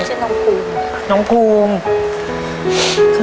ชื่อน้องภูมิ